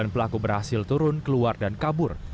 sembilan pelaku berhasil turun keluar dan kabur